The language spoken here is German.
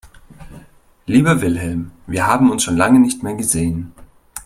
Lieber Wilhelm, wir haben uns schon so lange nicht mehr gesehen.